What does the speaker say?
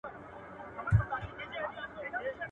له مړینې یې تر سل کلونو ډېر وخت تېر شوی دی.